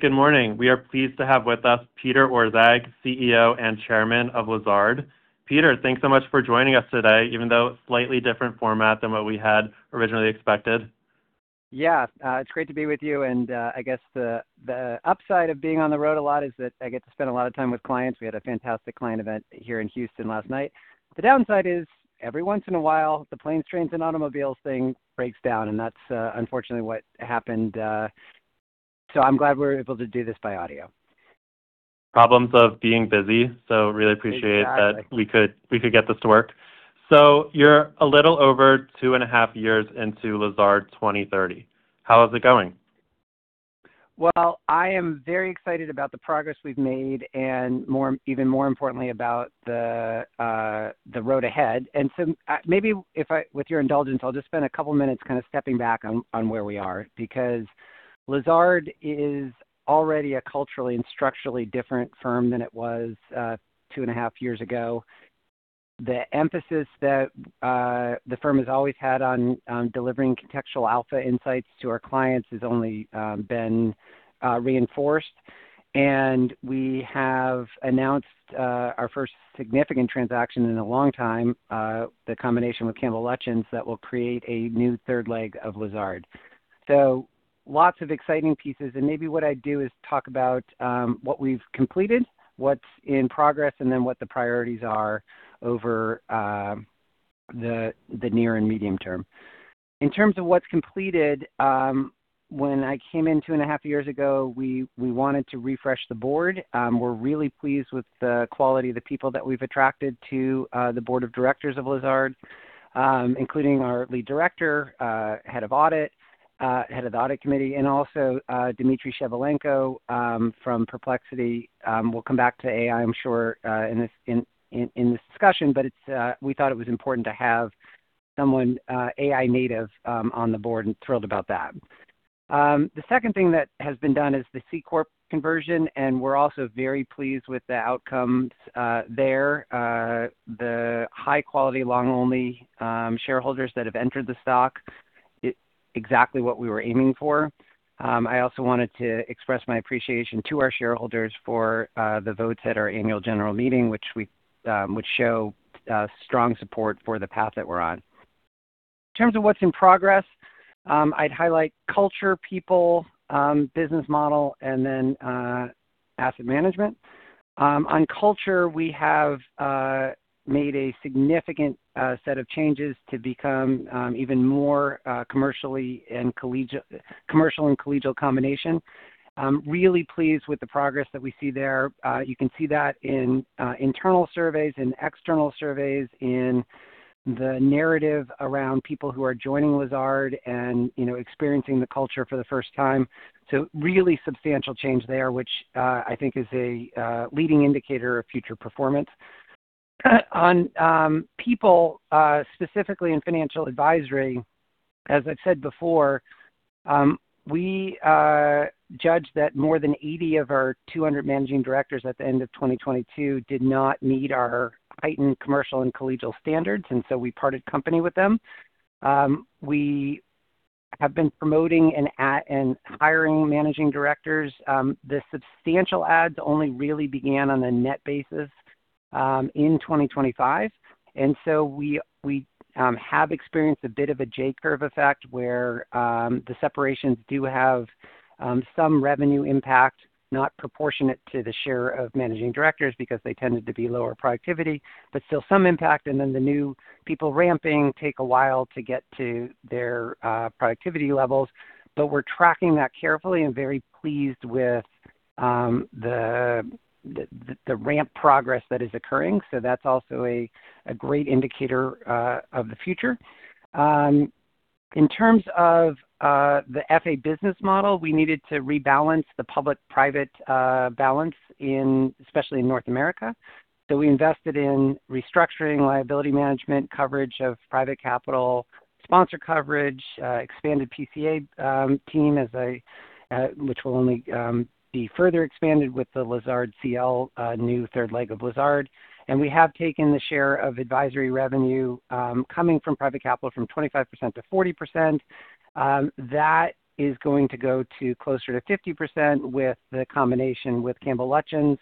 Good morning. We are pleased to have with us Peter Orszag, CEO and Chairman of Lazard. Peter, thanks so much for joining us today, even though slightly different format than what we had originally expected. Yeah. It's great to be with you. I guess the upside of being on the road a lot is that I get to spend a lot of time with clients. We had a fantastic client event here in Houston last night. The downside is every once in a while, the planes, trains, and automobiles thing breaks down, and that's unfortunately what happened. I'm glad we're able to do this by audio. Problems of being busy. Really appreciate- Exactly.... that we could get this to work. You're a little over 2.5 years into Lazard 2030. How is it going? I am very excited about the progress we've made, and even more importantly, about the road ahead. Maybe with your indulgence, I'll just spend a couple of minutes kind of stepping back on where we are, because Lazard is already a culturally and structurally different firm than it was 2.5 years ago. The emphasis that the firm has always had on delivering contextual alpha insights to our clients has only been reinforced. We have announced our first significant transaction in a long time, the combination with Campbell Lutyens that will create a new third leg of Lazard. Lots of exciting pieces. Maybe what I'd do is talk about what we've completed, what's in progress, and then what the priorities are over the near and medium term. In terms of what's completed, when I came in 2.5 years ago, we wanted to refresh the board. We're really pleased with the quality of the people that we've attracted to the board of directors of Lazard, including our lead director, head of audit, head of the audit committee, and also Dmitry Shevelenko from Perplexity. We'll come back to AI, I'm sure, in this discussion, but we thought it was important to have someone AI-native on the board, and thrilled about that. The second thing that has been done is the C-corp conversion, and we're also very pleased with the outcomes there, the high-quality, long-only shareholders that have entered the stock, exactly what we were aiming for. I also wanted to express my appreciation to our shareholders for the votes at our annual general meeting, which show strong support for the path that we're on. In terms of what's in progress, I'd highlight culture, people, business model, and then asset management. On culture, we have made a significant set of changes to become even more commercial and collegial combination. Really pleased with the progress that we see there. You can see that in internal surveys, in external surveys, in the narrative around people who are joining Lazard and experiencing the culture for the first time. Really substantial change there, which I think is a leading indicator of future performance. On people, specifically in financial advisory, as I've said before, we judged that more than 80 of our 200 managing directors at the end of 2022 did not meet our heightened commercial and collegial standards. We parted company with them. We have been promoting and hiring managing directors. The substantial adds only really began on a net basis in 2025. We have experienced a bit of a J-curve effect where the separations do have some revenue impact, not proportionate to the share of managing directors because they tended to be lower productivity, but still some impact. The new people ramping take a while to get to their productivity levels. We're tracking that carefully and very pleased with the ramp progress that is occurring. That's also a great indicator of the future. In terms of the FA business model, we needed to rebalance the public-private balance especially in North America. We invested in restructuring liability management, coverage of private capital, sponsor coverage, expanded PCA team, which will only be further expanded with the Lazard CL, new third leg of Lazard. We have taken the share of advisory revenue coming from private capital from 25% to 40%. That is going to go to closer to 50% with the combination with Campbell Lutyens.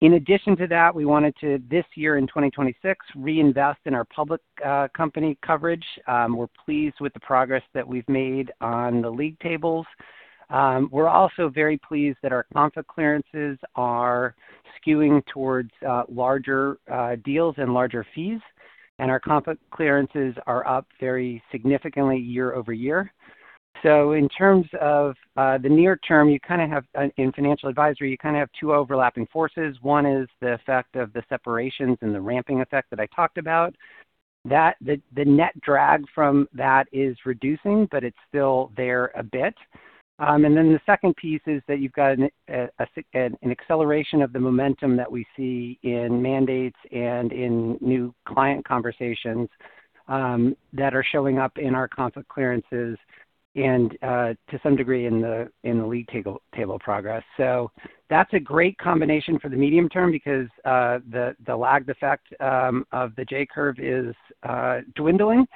In addition to that, we wanted to, this year in 2026, reinvest in our public company coverage. We're pleased with the progress that we've made on the league tables. We're also very pleased that our conflict clearances are skewing towards larger deals and larger fees, and our conflict clearances are up very significantly year-over-year. In terms of the near term, in financial advisory, you kind of have two overlapping forces. One is the effect of the separations and the ramping effect that I talked about. The net drag from that is reducing, but it's still there a bit. The second piece is that you've got an acceleration of the momentum that we see in mandates and in new client conversations that are showing up in our conflict clearances and to some degree in the league table progress. That's a great combination for the medium term because the lag effect of the J-curve is dwindling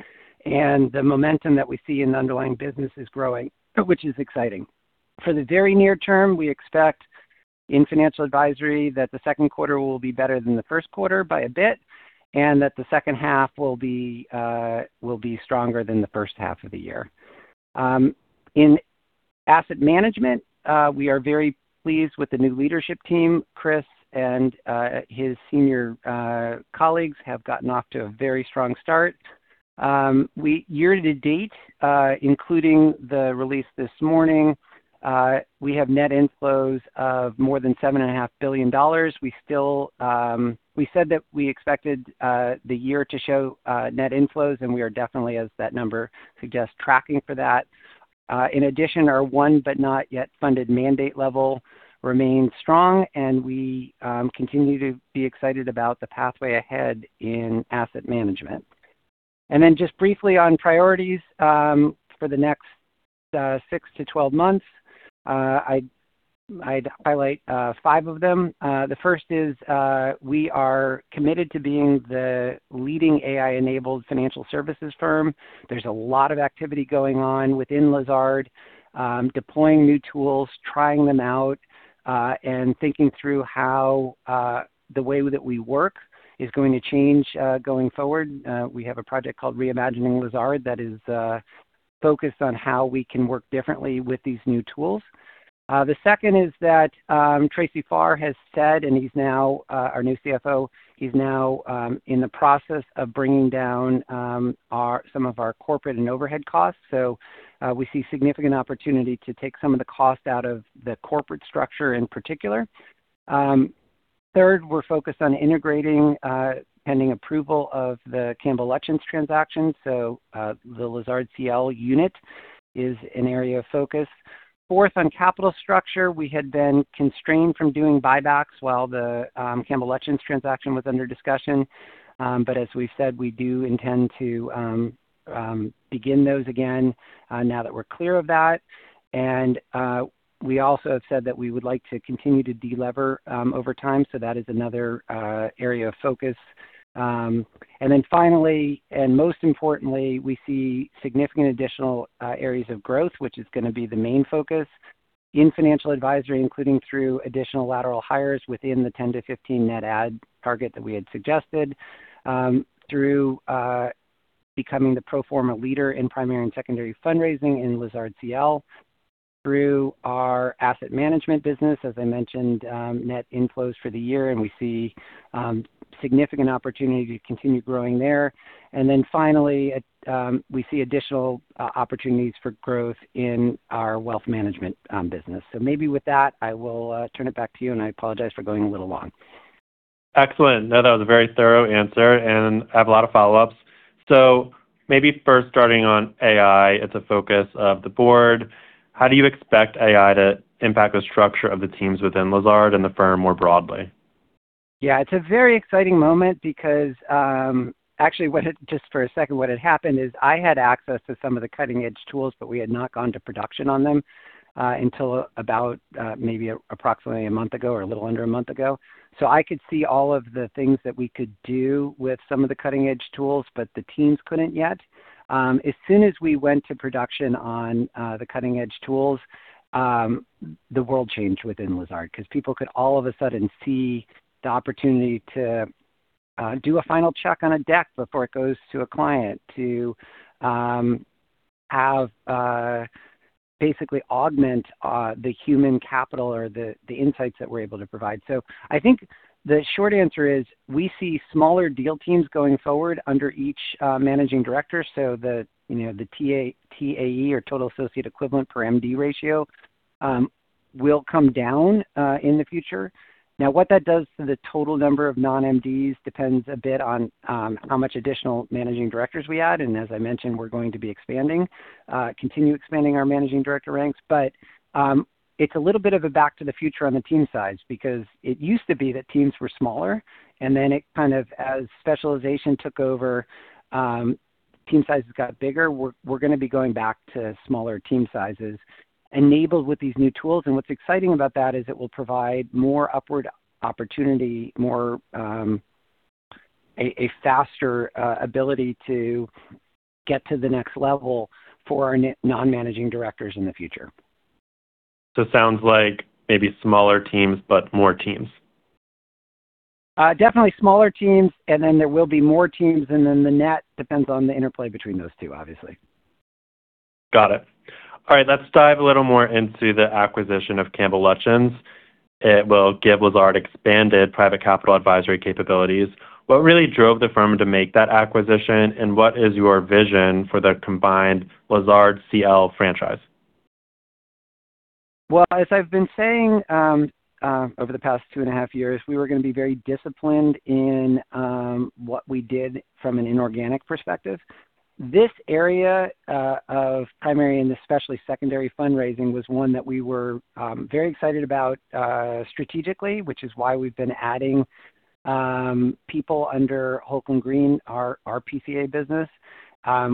and the momentum that we see in underlying business is growing, which is exciting. For the very near term, we expect in financial advisory that the second quarter will be better than the first quarter by a bit, and that the second half will be stronger than the first half of the year. In asset management, we are very pleased with the new leadership team. Chris and his senior colleagues have gotten off to a very strong start. Year to date, including the release this morning, we have net inflows of more than $7.5 billion. We said that we expected the year to show net inflows, and we are definitely, as that number suggests, tracking for that. In addition, our one but not yet funded mandate level remains strong, and we continue to be excited about the pathway ahead in asset management. Just briefly on priorities, for the next 6-12 months, I'd highlight five of them. The first is we are committed to being the leading AI-enabled financial services firm. There's a lot of activity going on within Lazard, deploying new tools, trying them out, and thinking through how the way that we work is going to change, going forward. We have a project called Reimagining Lazard that is focused on how we can work differently with these new tools. The second is that Tracy Farr has said, and he's now our new CFO, he's now in the process of bringing down some of our corporate and overhead costs. We see significant opportunity to take some of the cost out of the corporate structure in particular. Third, we're focused on integrating pending approval of the Campbell Lutyens transaction. The Lazard CL unit is an area of focus. Fourth, on capital structure, we had been constrained from doing buybacks while the Campbell Lutyens transaction was under discussion. As we've said, we do intend to begin those again now that we're clear of that. We also have said that we would like to continue to de-lever over time, so that is another area of focus. Finally, and most importantly, we see significant additional areas of growth, which is going to be the main focus in financial advisory, including through additional lateral hires within the 10-15 net add target that we had suggested, through becoming the pro forma leader in primary and secondary fundraising in Lazard CL, through our asset management business, as I mentioned, net inflows for the year, and we see significant opportunity to continue growing there. Finally, we see additional opportunities for growth in our wealth management business. Maybe with that, I will turn it back to you, and I apologize for going a little long. Excellent. No, that was a very thorough answer, and I have a lot of follow-ups. Maybe first starting on AI, it's a focus of the board. How do you expect AI to impact the structure of the teams within Lazard and the firm more broadly? Yeah. It's a very exciting moment because, actually just for a second, what had happened is I had access to some of the cutting-edge tools, but we had not gone to production on them until about maybe approximately a month ago or a little under a month ago. I could see all of the things that we could do with some of the cutting-edge tools, but the teams couldn't yet. As soon as we went to production on the cutting-edge tools, the world changed within Lazard because people could all of a sudden see the opportunity to do a final check on a deck before it goes to a client, to basically augment the human capital or the insights that we're able to provide. I think the short answer is, we see smaller deal teams going forward under each managing director. The TAE or total associate equivalent per MD ratio, will come down in the future. Now, what that does to the total number of non-MDs depends a bit on how much additional managing directors we add. As I mentioned, we're going to be expanding, continue expanding our managing director ranks. It's a little bit of a back to the future on the team size because it used to be that teams were smaller, and then it kind of, as specialization took over, team sizes got bigger. We're going to be going back to smaller team sizes enabled with these new tools. What's exciting about that is it will provide more upward opportunity, a faster ability to get to the next level for our non-managing directors in the future. Sounds like maybe smaller teams, but more teams. Definitely smaller teams, and then there will be more teams, and then the net depends on the interplay between those two, obviously. Got it. All right. Let's dive a little more into the acquisition of Campbell Lutyens. It will give Lazard expanded private capital advisory capabilities. What really drove the firm to make that acquisition, and what is your vision for the combined Lazard CL franchise? As I've been saying over the past 2.5 years, we were going to be very disciplined in what we did from an inorganic perspective. This area of primary and especially secondary fundraising was one that we were very excited about strategically, which is why we've been adding people under Holcombe Green, our PCA business.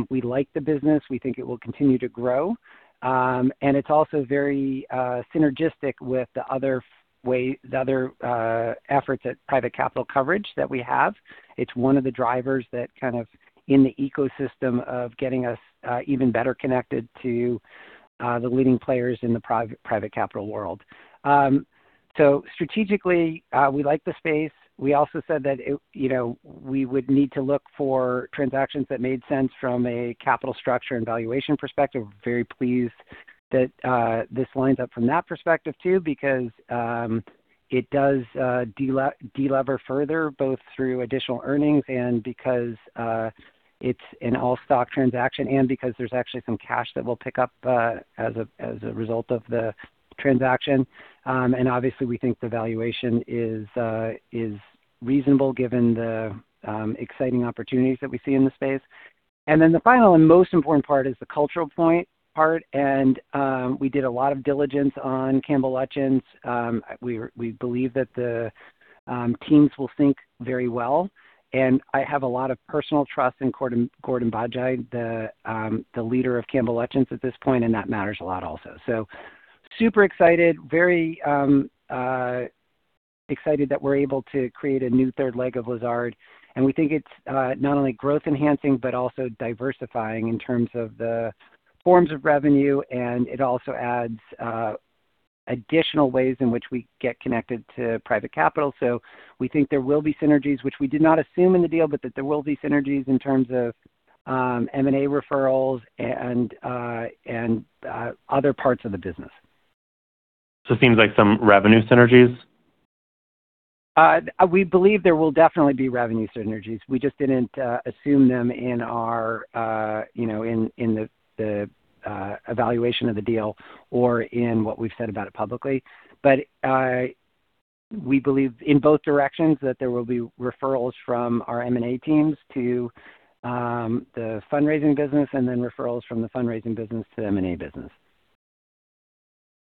We like the business. We think it will continue to grow. It's also very synergistic with the other efforts at private capital coverage that we have. It's one of the drivers that kind of in the ecosystem of getting us even better connected to the leading players in the private capital world. Strategically, we like the space. We also said that we would need to look for transactions that made sense from a capital structure and valuation perspective. We're very pleased that this lines up from that perspective too, because it does de-lever further, both through additional earnings and because it's an all-stock transaction, and because there's actually some cash that we'll pick up as a result of the transaction. Obviously, we think the valuation is reasonable given the exciting opportunities that we see in the space. Then the final and most important part is the cultural part, and we did a lot of diligence on Campbell Lutyens. We believe that the teams will sync very well, and I have a lot of personal trust in Gordon Bajnai, the leader of Campbell Lutyens at this point, and that matters a lot also. Super excited. Very excited that we're able to create a new third leg of Lazard, we think it's not only growth enhancing, also diversifying in terms of the forms of revenue, it also adds additional ways in which we get connected to private capital. We think there will be synergies, which we did not assume in the deal, that there will be synergies in terms of M&A referrals and other parts of the business. It seems like some revenue synergies? We believe there will definitely be revenue synergies. We just didn't assume them in the evaluation of the deal or in what we've said about it publicly. We believe in both directions that there will be referrals from our M&A teams to the fundraising business then referrals from the fundraising business to M&A business.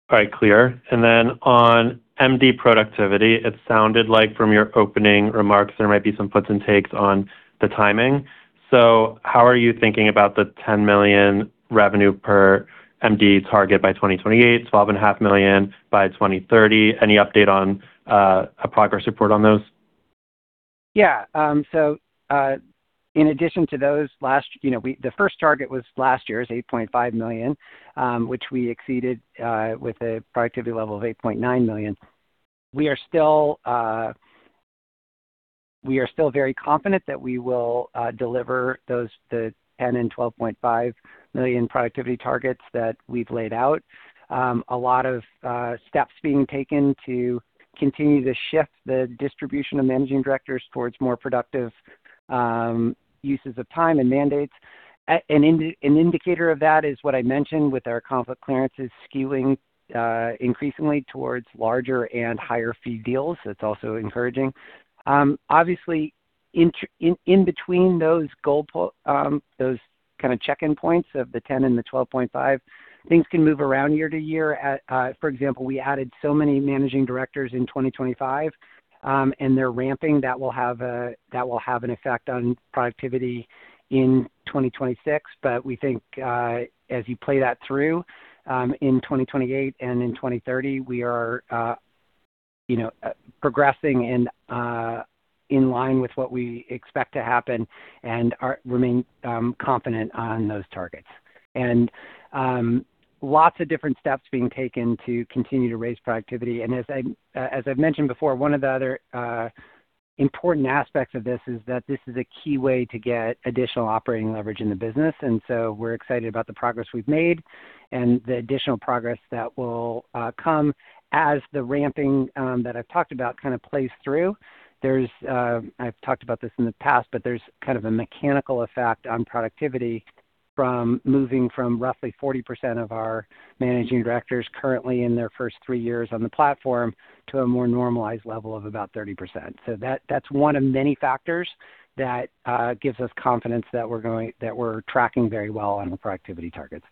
All right. Clear. On MD productivity, it sounded like from your opening remarks there might be some puts and takes on the timing. How are you thinking about the $10 million revenue per MD target by 2028, $12.5 million by 2030? Any update on a progress report on those? Yeah. In addition to those last. The first target was last year's $8.5 million, which we exceeded with a productivity level of $8.9 million. We are still very confident that we will deliver the $10 million and $12.5 million productivity targets that we've laid out. A lot of steps being taken to continue to shift the distribution of managing directors towards more productive uses of time and mandates. An indicator of that is what I mentioned with our conflict clearances skewing increasingly towards larger and higher fee deals. That's also encouraging. Obviously, in between those goal, those check-in points of the $10 million and the $12.5 million, things can move around year to year. For example, we added so many managing directors in 2025, and they're ramping. That will have an effect on productivity in 2026. We think as you play that through, in 2028 and in 2030, we are progressing in line with what we expect to happen and remain confident on those targets. Lots of different steps being taken to continue to raise productivity. As I've mentioned before, one of the other important aspects of this is that this is a key way to get additional operating leverage in the business. We're excited about the progress we've made and the additional progress that will come as the ramping that I've talked about plays through. I've talked about this in the past, but there's kind of a mechanical effect on productivity from moving from roughly 40% of our managing directors currently in their first three years on the platform to a more normalized level of about 30%. That's one of many factors that gives us confidence that we're tracking very well on the productivity targets.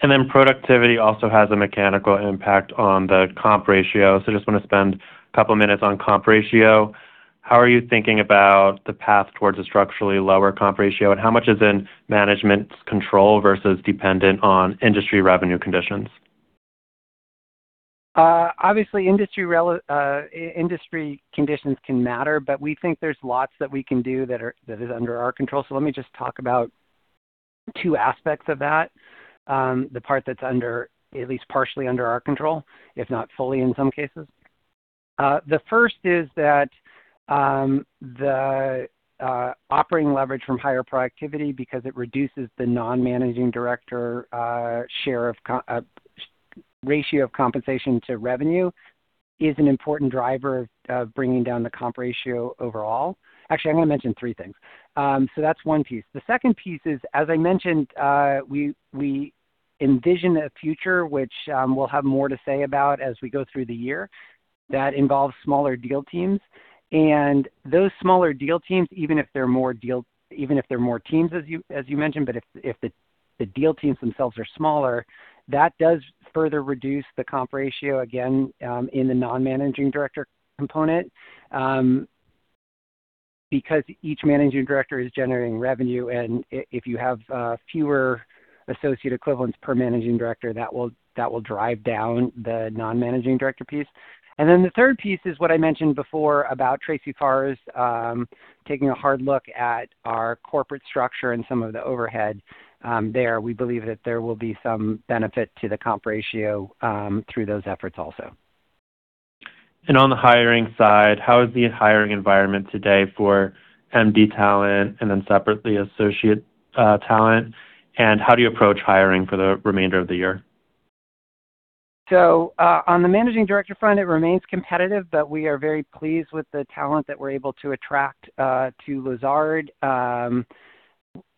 Productivity also has a mechanical impact on the comp ratio. I just want to spend a couple of minutes on comp ratio. How are you thinking about the path towards a structurally lower comp ratio, and how much is in management's control versus dependent on industry revenue conditions? Obviously, industry conditions can matter, but we think there's lots that we can do that is under our control. Let me just talk about two aspects of that. The part that's at least partially under our control, if not fully in some cases. The first is that the operating leverage from higher productivity, because it reduces the non-managing director ratio of compensation to revenue, is an important driver of bringing down the comp ratio overall. Actually, I am going to mention three things. That's one piece. The second piece is, as I mentioned, we envision a future which we'll have more to say about as we go through the year, that involves smaller deal teams. Those smaller deal teams, even if they're more teams as you mentioned, but if the deal teams themselves are smaller, that does further reduce the comp ratio, again, in the non-managing director component. Each managing director is generating revenue, and if you have fewer associate equivalents per managing director, that will drive down the non-managing director piece. The third piece is what I mentioned before about Tracy Farr is taking a hard look at our corporate structure and some of the overhead there. We believe that there will be some benefit to the comp ratio through those efforts also. On the hiring side, how is the hiring environment today for MD talent, and then separately, associate talent? How do you approach hiring for the remainder of the year? On the managing director front, it remains competitive, but we are very pleased with the talent that we're able to attract to Lazard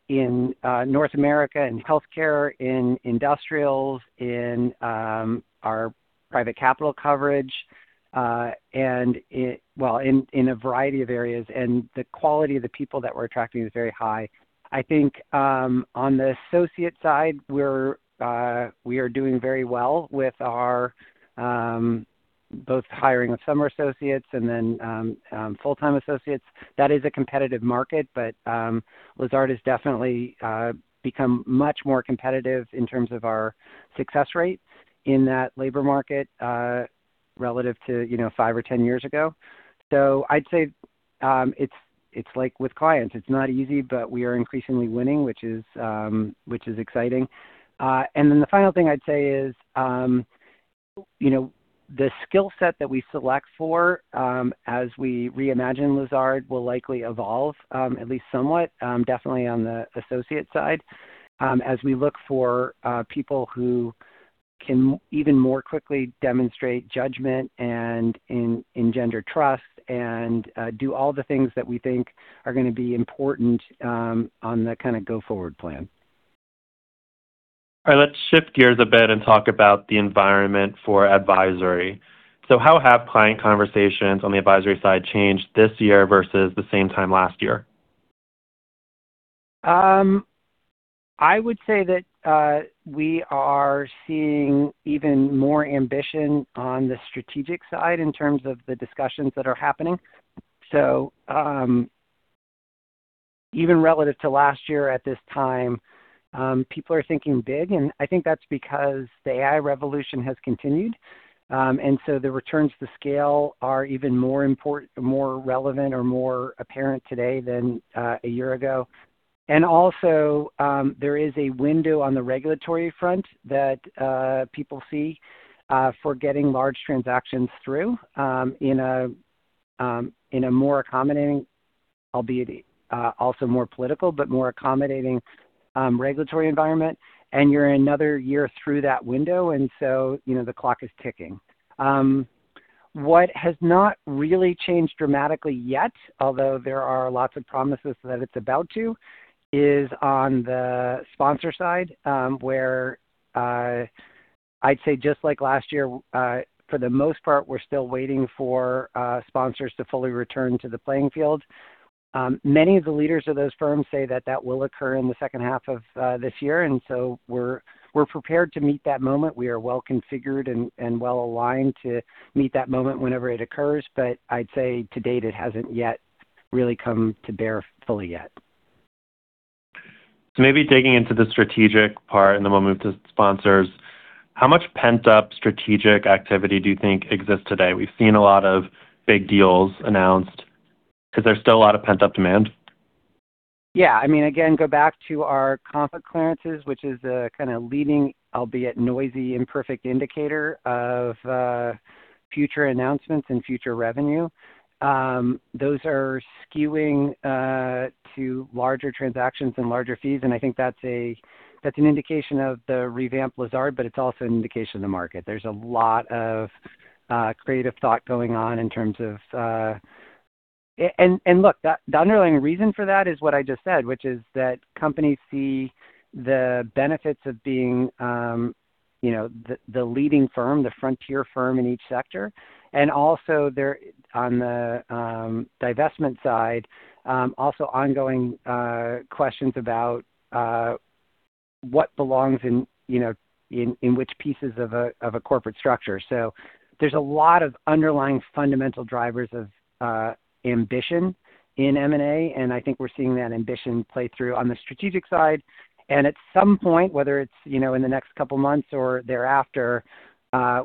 in North America, in healthcare, in industrials, in our private capital coverage, and in a variety of areas. The quality of the people that we're attracting is very high. I think on the associate side, we are doing very well with our both hiring of summer associates and then full-time associates. That is a competitive market, but Lazard has definitely become much more competitive in terms of our success rates in that labor market, relative to five or 10 years ago. I'd say it's like with clients, it's not easy, but we are increasingly winning, which is exciting. The final thing I'd say is, the skill set that we select for, as we Reimagine Lazard, will likely evolve, at least somewhat, definitely on the associate side, as we look for people who can even more quickly demonstrate judgment and engender trust and do all the things that we think are going to be important on the go-forward plan. All right. Let's shift gears a bit and talk about the environment for advisory. How have client conversations on the advisory side changed this year versus the same time last year? I would say that we are seeing even more ambition on the strategic side in terms of the discussions that are happening. Even relative to last year at this time, people are thinking big, and I think that's because the AI revolution has continued. The returns to scale are even more relevant or more apparent today than a year ago. There is a window on the regulatory front that people see for getting large transactions through in a more accommodating, albeit also more political, but more accommodating regulatory environment. You're another year through that window, the clock is ticking. What has not really changed dramatically yet, although there are lots of promises that it's about to, is on the sponsor side, where I'd say just like last year, for the most part, we're still waiting for sponsors to fully return to the playing field. Many of the leaders of those firms say that that will occur in the second half of this year. We're prepared to meet that moment. We are well-configured and well-aligned to meet that moment whenever it occurs, I'd say to date, it hasn't yet really come to bear fully yet. Maybe digging into the strategic part. Then we'll move to sponsors. How much pent-up strategic activity do you think exists today? We've seen a lot of big deals announced. Is there still a lot of pent-up demand? Yeah. Again, go back to our conflict clearances, which is a kind of leading, albeit noisy, imperfect indicator of future announcements and future revenue. Those are skewing to larger transactions and larger fees. I think that's an indication of the revamped Lazard, but it's also an indication of the market. There's a lot of creative thought going on. Look, the underlying reason for that is what I just said, which is that companies see the benefits of being the leading firm, the frontier firm in each sector. Also, on the divestment side, also ongoing questions about what belongs in which pieces of a corporate structure. There's a lot of underlying fundamental drivers of ambition in M&A. I think we're seeing that ambition play through on the strategic side. At some point, whether it's in the next couple of months or thereafter,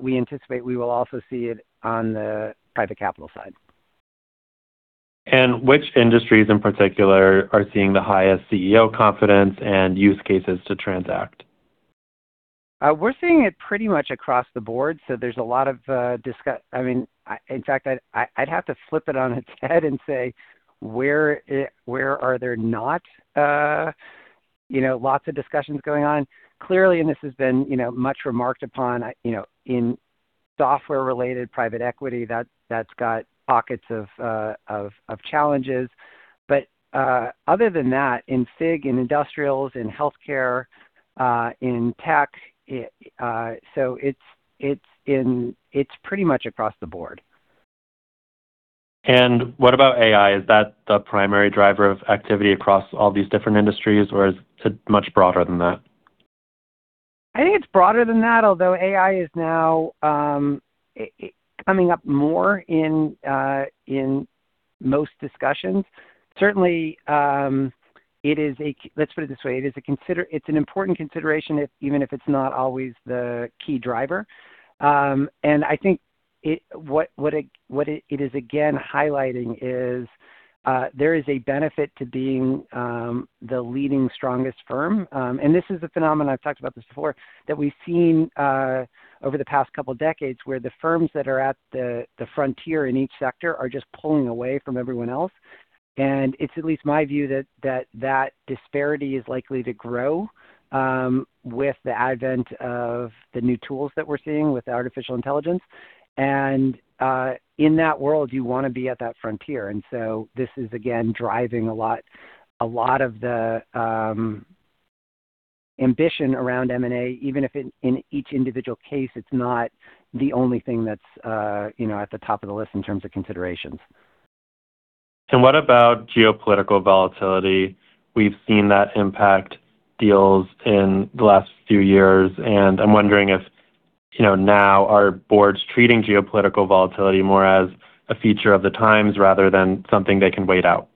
we anticipate we will also see it on the private capital side. Which industries in particular are seeing the highest CEO confidence and use cases to transact? We're seeing it pretty much across the board. There's a lot of In fact, I'd have to flip it on its head and say, where are there not lots of discussions going on? Clearly, and this has been much remarked upon, in software-related private equity, that's got pockets of challenges. Other than that, in FIG, in industrials, in healthcare, in tech. It's pretty much across the board. What about AI? Is that the primary driver of activity across all these different industries, or is it much broader than that? I think it's broader than that, although AI is now coming up more in most discussions. Certainly, let's put it this way, it's an important consideration even if it's not always the key driver. I think what it is, again, highlighting is, there is a benefit to being the leading, strongest firm. This is a phenomenon, I've talked about this before, that we've seen over the past couple of decades, where the firms that are at the frontier in each sector are just pulling away from everyone else. It's at least my view that disparity is likely to grow with the advent of the new tools that we're seeing with artificial intelligence. In that world, you want to be at that frontier. This is, again, driving a lot of the ambition around M&A, even if in each individual case, it's not the only thing that's at the top of the list in terms of considerations. What about geopolitical volatility? We've seen that impact deals in the last few years, and I'm wondering if now are boards treating geopolitical volatility more as a feature of the times rather than something they can wait out?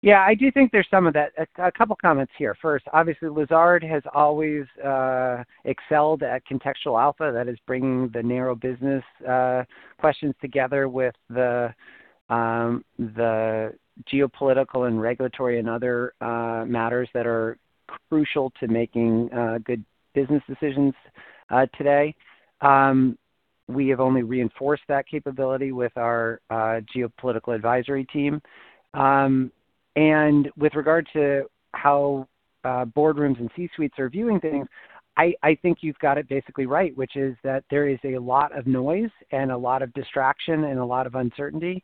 Yeah, I do think there's some of that. A couple of comments here. First, obviously, Lazard has always excelled at contextual alpha, that is, bringing the narrow business questions together with the geopolitical and regulatory and other matters that are crucial to making good business decisions today. We have only reinforced that capability with our geopolitical advisory team. With regard to how boardrooms and C-suites are viewing things, I think you've got it basically right, which is that there is a lot of noise and a lot of distraction and a lot of uncertainty.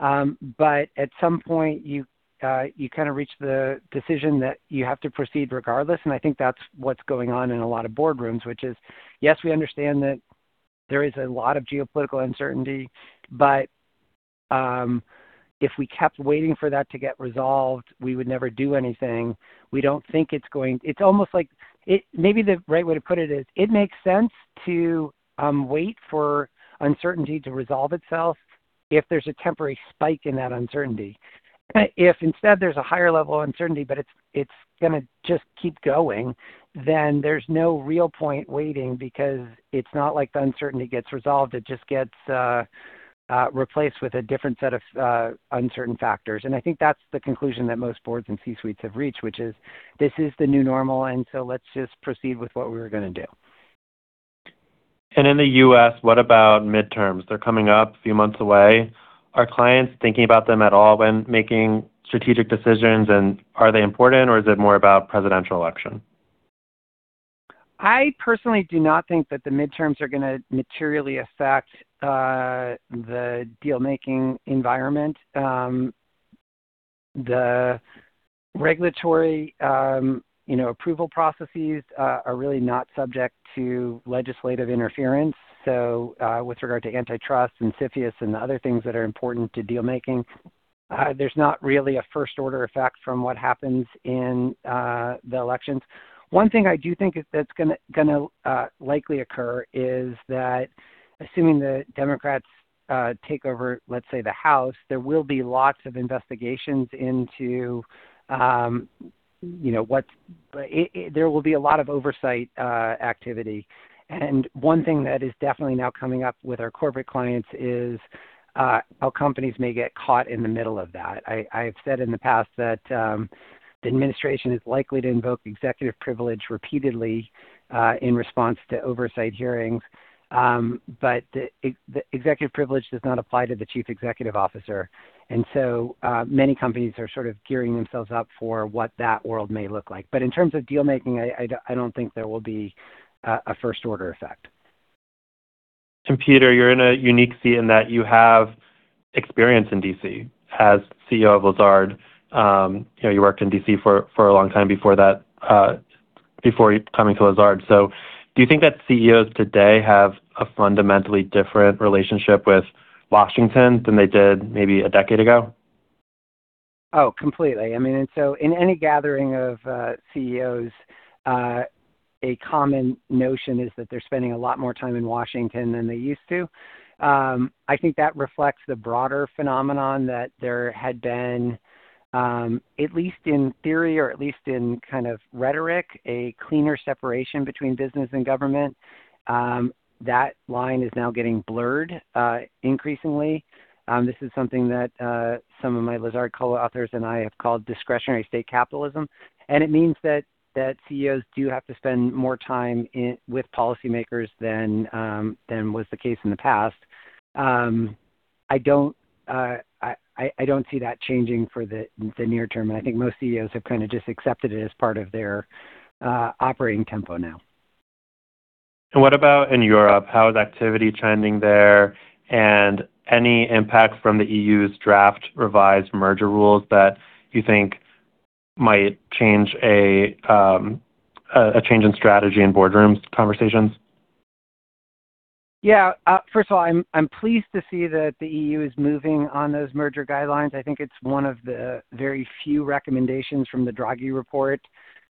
At some point, you kind of reach the decision that you have to proceed regardless, and I think that's what's going on in a lot of boardrooms, which is, yes, we understand that there is a lot of geopolitical uncertainty, but if we kept waiting for that to get resolved, we would never do anything. Maybe the right way to put it is, it makes sense to wait for uncertainty to resolve itself if there's a temporary spike in that uncertainty. If instead there's a higher level of uncertainty, but it's going to just keep going, then there's no real point waiting because it's not like the uncertainty gets resolved. It just gets replaced with a different set of uncertain factors. I think that's the conclusion that most boards and C-suites have reached, which is this is the new normal, let's just proceed with what we were going to do. In the U.S., what about midterms? They're coming up a few months away. Are clients thinking about them at all when making strategic decisions, and are they important, or is it more about presidential election? I personally do not think that the midterms are going to materially affect the deal-making environment. The regulatory approval processes are really not subject to legislative interference. With regard to antitrust and CFIUS and other things that are important to deal making, there's not really a first-order effect from what happens in the elections. One thing I do think that's going to likely occur is that assuming the Democrats take over, let's say, the House, there will be a lot of oversight activity. One thing that is definitely now coming up with our corporate clients is how companies may get caught in the middle of that. I have said in the past that the administration is likely to invoke executive privilege repeatedly in response to oversight hearings. The executive privilege does not apply to the chief executive officer. Many companies are sort of gearing themselves up for what that world may look like. In terms of deal-making, I don't think there will be a first-order effect. Peter, you're in a unique seat in that you have experience in D.C. as CEO of Lazard. You worked in D.C. for a long time before coming to Lazard. Do you think that CEOs today have a fundamentally different relationship with Washington than they did maybe a decade ago? Oh, completely. In any gathering of CEOs, a common notion is that they're spending a lot more time in Washington than they used to. I think that reflects the broader phenomenon that there had been, at least in theory or at least in kind of rhetoric, a cleaner separation between business and government. That line is now getting blurred increasingly. This is something that some of my Lazard co-authors and I have called discretionary state capitalism, and it means that CEOs do have to spend more time with policymakers than was the case in the past. I don't see that changing for the near term, and I think most CEOs have kind of just accepted it as part of their operating tempo now. What about in Europe? How is activity trending there, and any impact from the EU's draft revised merger rules that you think might change a change in strategy in boardrooms conversations? Yeah. First of all, I'm pleased to see that the EU is moving on those merger guidelines. I think it's one of the very few recommendations from the Draghi report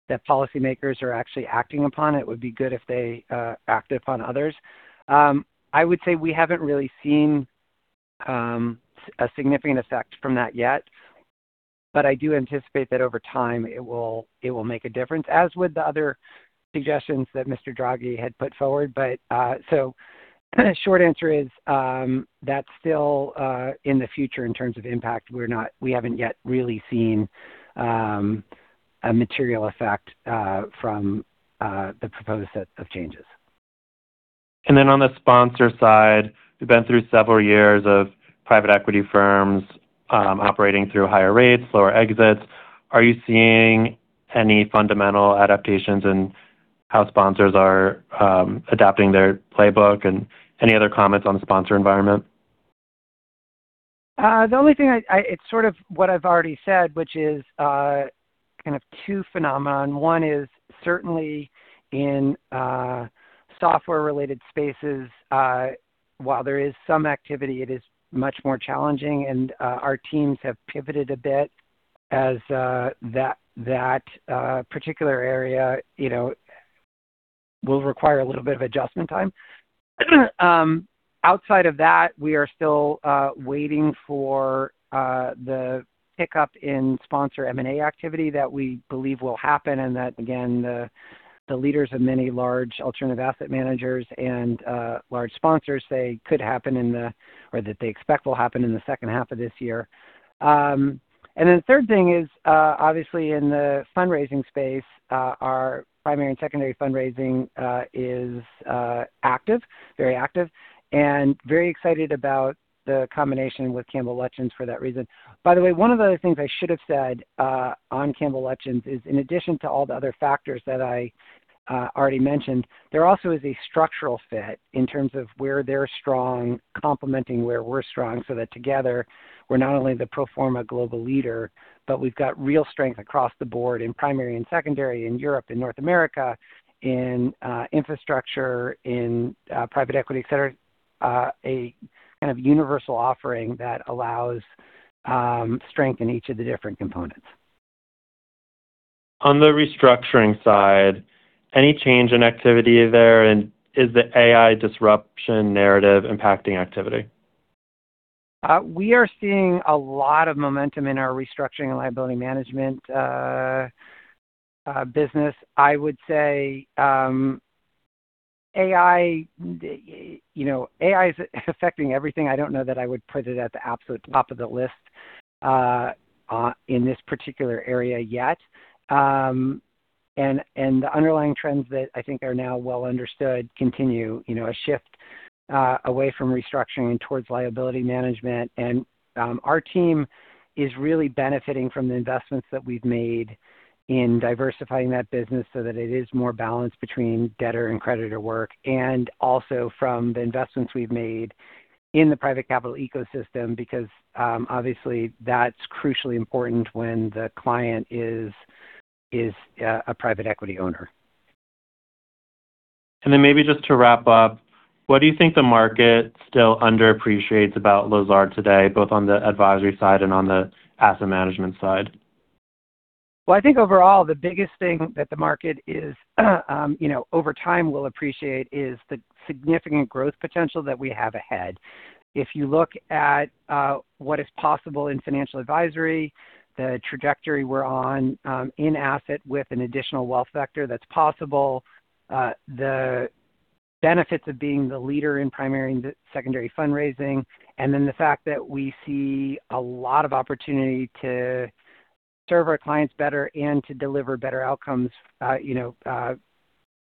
that policymakers are actually acting upon. It would be good if they acted upon others. I would say we haven't really seen a significant effect from that yet. I do anticipate that over time, it will make a difference, as with the other suggestions that Mr. Draghi had put forward. Short answer is that's still in the future in terms of impact. We haven't yet really seen a material effect from the proposed set of changes. On the sponsor side, we've been through several years of private equity firms operating through higher rates, lower exits. Are you seeing any fundamental adaptations in how sponsors are adapting their playbook? Any other comments on the sponsor environment? The only thing, it's sort of what I've already said, which is kind of two phenomena. One is certainly in software-related spaces, while there is some activity, it is much more challenging, and our teams have pivoted a bit as that particular area will require a little bit of adjustment time. Outside of that, we are still waiting for the pickup in sponsor M&A activity that we believe will happen, and that, again, the leaders of many large alternative asset managers and large sponsors say could happen or that they expect will happen in the second half of this year. The third thing is, obviously in the fundraising space, our primary and secondary fundraising is active, very active, and very excited about the combination with Campbell Lutyens for that reason. By the way, one of the things I should have said on Campbell Lutyens is, in addition to all the other factors that I already mentioned, there also is a structural fit in terms of where they're strong complementing where we're strong, so that together we're not only the pro forma global leader, but we've got real strength across the board in primary and secondary, in Europe and North America, in infrastructure, in private equity, et cetera. A kind of universal offering that allows strength in each of the different components. On the restructuring side, any change in activity there? Is the AI disruption narrative impacting activity? We are seeing a lot of momentum in our restructuring and liability management business. I would say AI is affecting everything. I don't know that I would put it at the absolute top of the list in this particular area yet. The underlying trends that I think are now well understood continue, a shift away from restructuring towards liability management. Our team is really benefiting from the investments that we've made in diversifying that business so that it is more balanced between debtor and creditor work, and also from the investments we've made in the private capital ecosystem. Because obviously that's crucially important when the client is a private equity owner. Maybe just to wrap up, what do you think the market still underappreciates about Lazard today, both on the advisory side and on the asset management side? Well, I think overall, the biggest thing that the market over time will appreciate is the significant growth potential that we have ahead. If you look at what is possible in financial advisory, the trajectory we're on in asset with an additional wealth sector that's possible, the benefits of being the leader in primary and secondary fundraising, the fact that we see a lot of opportunity to serve our clients better and to deliver better outcomes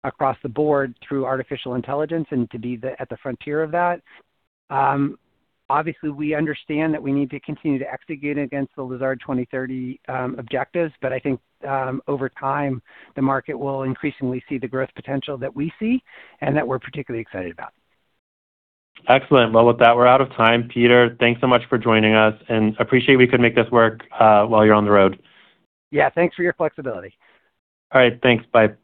across the board through artificial intelligence and to be at the frontier of that. Obviously, we understand that we need to continue to execute against the Lazard 2030 objectives, I think over time, the market will increasingly see the growth potential that we see and that we're particularly excited about. Excellent. Well, with that, we're out of time. Peter, thanks so much for joining us, appreciate we could make this work while you're on the road. Yeah. Thanks for your flexibility. All right, thanks. Bye. Bye.